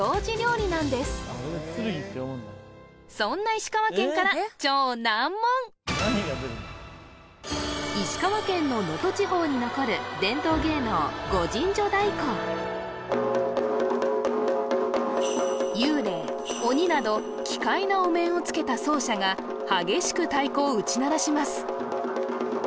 そんな石川県から石川県の能登地方に残る幽霊鬼など奇怪なお面をつけた奏者が激しく太鼓を打ち鳴らします